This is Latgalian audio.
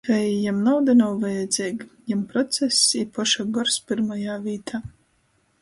Vei, jam nauda nav vajadzeiga, jam process i poša gors pyrmajā vītā.